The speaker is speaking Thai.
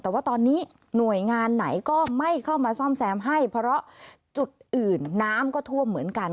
แต่ว่าตอนนี้หน่วยงานไหนก็ไม่เข้ามาซ่อมแซมให้เพราะจุดอื่นน้ำก็ท่วมเหมือนกัน